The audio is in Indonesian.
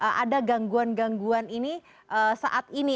kenapa bisa ada gangguan gangguan ini saat ini